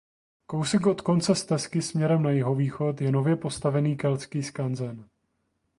Kousek od konce stezky směrem na jihovýchod je nově postavený Keltský skanzen.